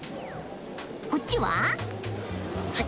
こっちは？